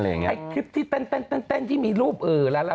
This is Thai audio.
ไอ้คลิปที่เต้นที่มีรูปเอ่อแล้วอะไร